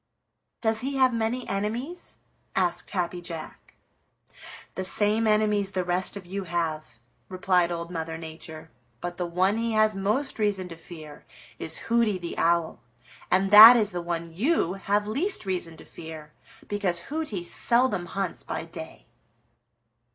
"Does he have many enemies?" asked Happy Jack. "The same enemies the rest of you have," replied Old Mother Nature. "But the one he has most reason to fear is Hooty the Owl, and that is the one you have least reason to fear, because Hooty seldom hunts by day."